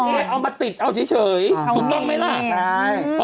ก็คือคุณเอ๊เอามาติดเอาเฉยถูกต้องไหมล่ะ